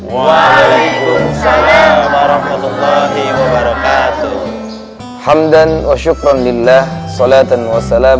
walaikum salam warahmatullahi wabarakatuh hamdan wa syukran lillah salatan wassalam